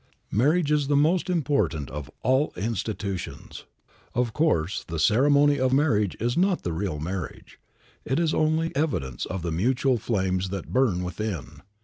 Marriage is the most important of all institutions. Of course, the ceremony of marriage is not the real marriage. It is only evidence of the mutual flames that burn within.